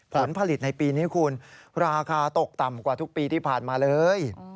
ผลผลิตในปีนี้คุณราคาตกต่ำกว่าทุกปีที่ผ่านมาเลย